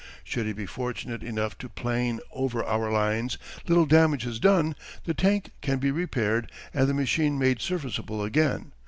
Should he be fortunate enough to plane over our lines little damage is done; the tank can be repaired and the machine made serviceable again.